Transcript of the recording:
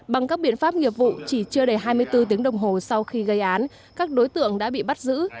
bằng các biện pháp nghiệp vụ chỉ chưa đầy hai mươi bốn tiếng đồng hồ sau khi gây án các đối tượng đã bị bắt giữ